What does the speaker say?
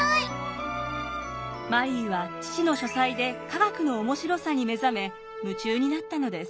マリーは父の書斎で科学の面白さに目覚め夢中になったのです。